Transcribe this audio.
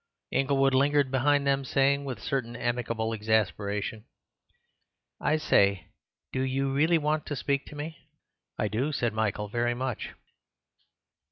Inglewood lingered behind them, saying with a certain amicable exasperation, "I say, do you really want to speak to me?" "I do," said Michael, "very much."